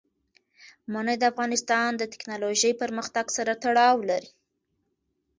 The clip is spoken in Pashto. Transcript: منی د افغانستان د تکنالوژۍ پرمختګ سره تړاو لري.